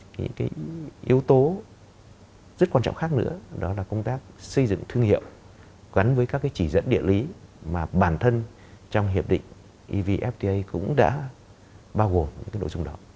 cái yếu tố rất quan trọng khác nữa đó là công tác xây dựng thương hiệu gắn với các cái chỉ dẫn địa lý mà bản thân trong hiệp định evfta cũng đã bao gồm những cái nội dung đó